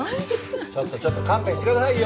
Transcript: ちょっとちょっと勘弁してくださいよ